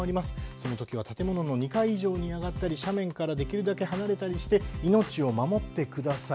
その時は建物の２階以上に上がったり、斜面からできるだけ離れたりして命を守ってください。